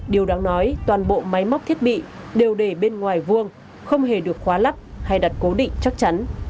điều đáng nói toàn bộ máy móc thiết bị đều để bên ngoài vuông không hề được khóa lắp hay đặt cố định chắc chắn